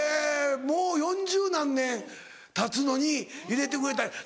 もう４０何年たつのに入れてくれて。